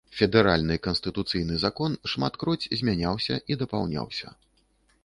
Федэральны канстытуцыйны закон шматкроць змяняўся і дапаўняўся.